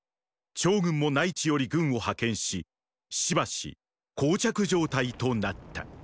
趙軍も内地より軍を派遣ししばし膠着状態となった。